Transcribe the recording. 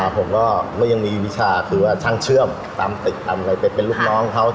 ผมก็ยังมีวิชาคือว่าช่างเชื่อมตามตึกตามอะไรไปเป็นลูกน้องเขา